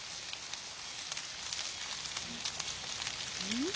うん。